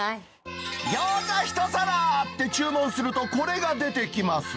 餃子１皿って注文するとこれが出てきます。